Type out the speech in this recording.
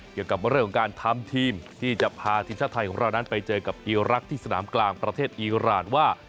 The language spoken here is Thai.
เกี่ยวกับเรื่องของการทำทีมที่จะพาทีมชาติไทยของเรานั้นไปเจอกับอีรักษ์ที่สนามกลางประเทศอีรานว่า